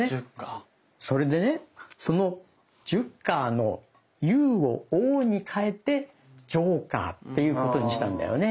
それでねそのジュッカーの「Ｕ」を「Ｏ」に変えて「ジョーカー」って言うことにしたんだよね。